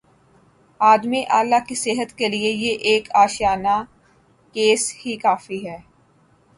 خادم اعلی کی صحت کیلئے یہ ایک آشیانہ کیس ہی کافی ہے۔